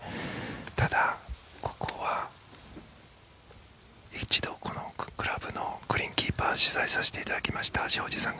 ただ、ここは一度このクラブのグリーンキーパーを取材をさせていただきました。